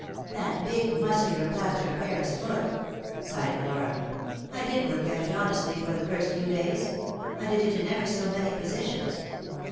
" That big, muscular, plaster of paris foot !" sighed Flora. " I did work at it honestly for the first few days ; I did it in ever so many positions.